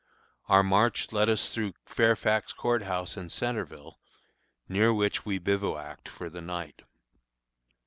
Our march led us through Fairfax Court House and Centreville, near which we bivouacked for the night.